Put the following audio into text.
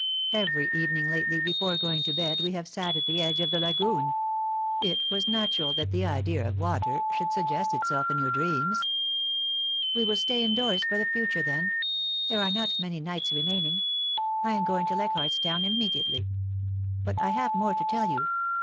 Everv evening lareiv. beicre zcins ro bed, we have sat at die &i^e of die iagccn. It was nar^ral ±at die idea of water should suggest itself in your dreams^* ' We will stay indoors for die tumre then. There are not many nights remaining, I am going to Leichardc's Town immediately. But I have more to teQ you.